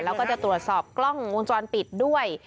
แล้วก็จะตรวจสอบกล้องวงจรปิดด้วย